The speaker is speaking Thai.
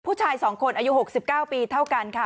ผู้ชาย๒คนอายุ๖๙ปีเท่ากันค่ะ